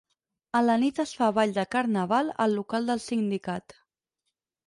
A la nit es fa ball de Carnaval al local del Sindicat.